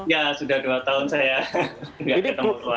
ya sudah dua tahun saya nggak ketemu keluarga